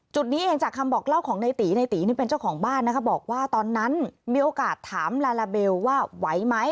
จุดนี้เองจากคำบอกเล่าของในตีในตีนี่เป็นเจ้าของบ้านนะคะบอกว่าตอนนั้นมีโอกาสถามลาลาเบลว่าไหวไหม